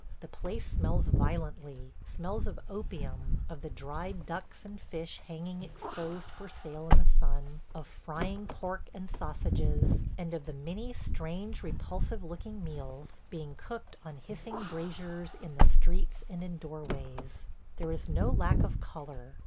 The place smells violently; smells of opium, of the dried ducks and fish hanging exposed for sale in the sun, of frying pork and sausages, and of the many strange repulsive looking meals being cooked on hissing braziers in the streets and in doorways. There is no lack of color.